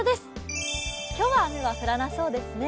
今日は雨は降らなそうですね。